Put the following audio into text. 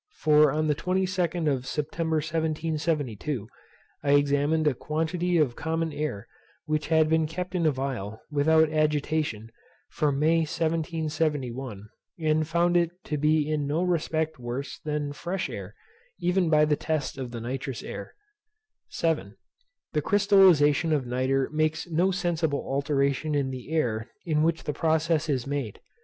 For on the 22d of September 1772, I examined a quantity of common air, which had been kept in a phial, without agitation, from May 1771, and found it to be in no respect worse than fresh air, even by the test of the nitrous air. 7. The crystallization of nitre makes no sensible alteration in the air in which the process is made.